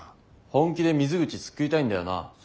本気で水口救いたいんだよな？